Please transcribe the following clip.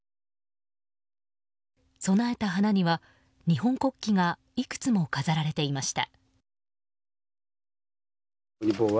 備えた花には日本国旗がいくつも飾られていました。